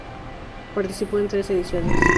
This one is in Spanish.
Participó en tres ediciones.